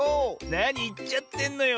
なにいっちゃってんのよ。